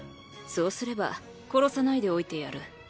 そうすれば殺さないでおいてやる。